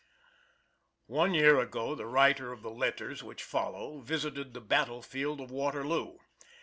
One year ago the writer of the letters which follow, visited the Battle Field of Waterloo.